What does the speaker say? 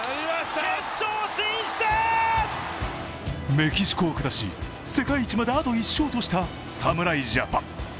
メキシコを下し、世界一まであと１勝とした侍ジャパン。